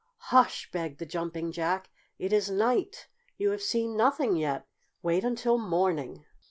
"Hush!" begged the Jumping Jack. "It is night. You have seen nothing yet. Wait until morning."